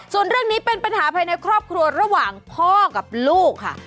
ส่วนเรื่องนี้เป็นปัญหาภายในครอบครัวระหว่างพ่อกับลูกค่ะ